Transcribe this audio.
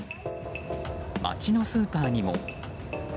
街のスーパーにも。